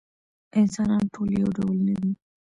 انسانان ټول یو ډول نه دي.